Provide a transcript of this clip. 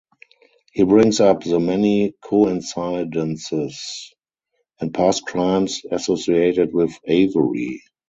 He brings up the many coincidences and past crimes associated with Avery.